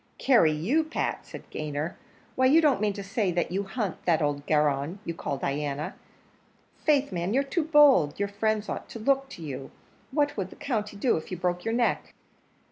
"Carry you, Pat!" said Gayner; "why, you don't mean to say you hunt that old garron you call Diana? Faith, man, you're too bold; your friends ought to look to you; what would the country do if you broke your neck?"